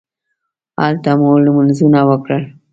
هلته مو لمونځونه وکړل.